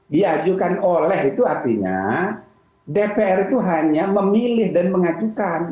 diajukan oleh itu artinya dpr itu hanya memilih dan mengajukan